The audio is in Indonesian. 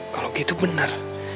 kalau gitu bener